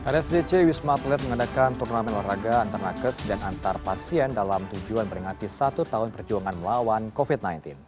rsdc wisma atlet mengadakan turnamen olahraga antar nakes dan antar pasien dalam tujuan beringati satu tahun perjuangan melawan covid sembilan belas